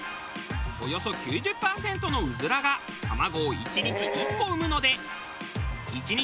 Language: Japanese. およそ９０パーセントのうずらが卵を１日１個産むので。